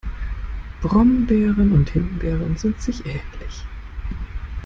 Brombeere und Himbeere sind sich ähnlich.